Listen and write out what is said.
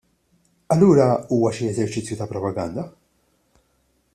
Allura huwa xi eżerċizzju ta' propaganda?